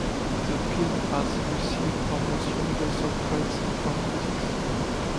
The film has received almost universal praise from critics.